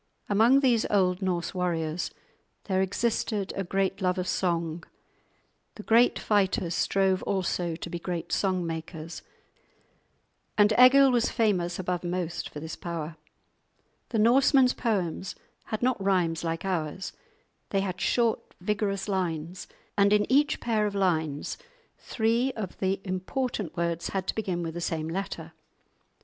Among these old Norse warriors there existed a great love of song; the great fighters strove also to be great song makers, and Egil was famous above most for this power. The Norsemen's poems had not rhymes like ours; they had short vigorous lines, and in each pair of lines three of the important words had to begin with the same letter.